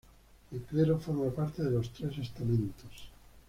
El clero forma parte de los tres estamentos.